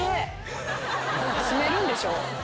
住めるんでしょ？